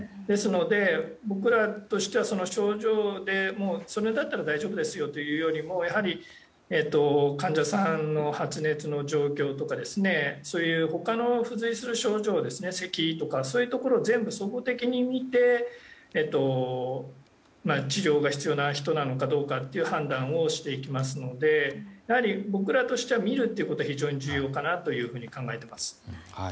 ですので、僕らとしては症状でそれだったら大丈夫ですよというよりも患者さんの発熱の状況ですとかそういう他の付随する症状そういうところを全部総合的に見て治療が必要な人なのかどうかという判断をしていきますので僕らとしては診るということは非常に重要だと考えています。